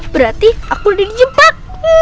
berarti aku sudah dijemput